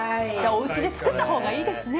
おうちで作ったほうがいいですね。